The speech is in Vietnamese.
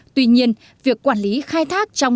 tuy nhiên việc quản lý khai thác trong